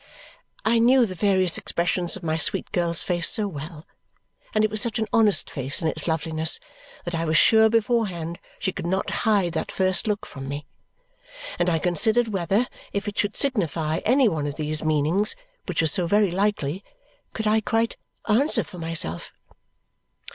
I knew the various expressions of my sweet girl's face so well, and it was such an honest face in its loveliness, that I was sure beforehand she could not hide that first look from me. And I considered whether, if it should signify any one of these meanings, which was so very likely, could I quite answer for myself?